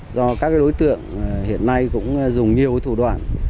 do các đối tượng hiện nay cũng dùng nhiều thủ đoạn